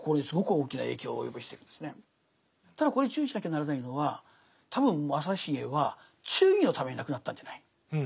ただここで注意しなきゃならないのは多分正成は忠義のために亡くなったんじゃない。